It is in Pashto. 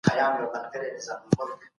زمری له کوره ووت او د سین غاړي ته ولاړی.